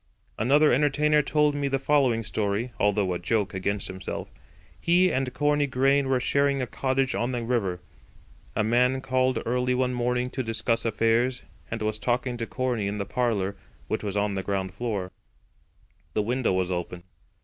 Another entertainer told me the following story, although a joke against himself. He and Corney Grain were sharing a cottage on the river. A man called early one morning to discuss affairs, and was talking to Corney in the parlour, which was on the ground floor. The window was open.